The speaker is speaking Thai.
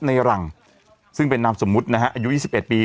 ในหลังซึ่งเป็นน้ำสมุดนะฮะอายุยี่สิบเอ็ดปี